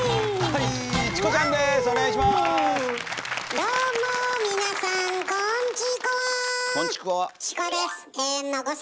どうも皆さんこんチコは。